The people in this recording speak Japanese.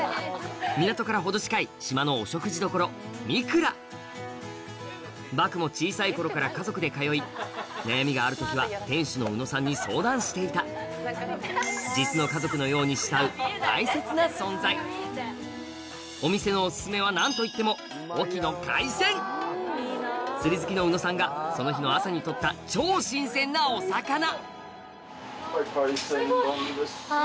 港から程近い島のお食事処味蔵ばくも小さい頃から家族で通い悩みがある時は店主の宇野さんに相談していた実の家族のように慕う大切な存在お店のオススメは何といっても釣り好きの宇野さんがその日の朝に取った超新鮮なお魚はい。